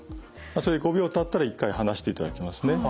５秒たったら一回離していただきますね。